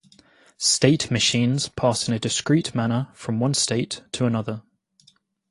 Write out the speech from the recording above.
State machines pass in a discrete manner from one state to another.